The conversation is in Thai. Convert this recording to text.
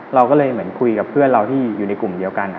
เราก็เลยเหมือนคุยกับเพื่อนเราที่อยู่ในกลุ่มเดียวกัน